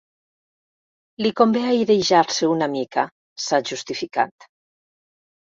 Li convé airejar-se una mica, s'ha justificat.